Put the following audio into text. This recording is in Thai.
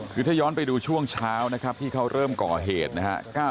คือถ้าย้อนไปดูช่วงเช้านะครับที่เขาเริ่มก่อเหตุนะครับ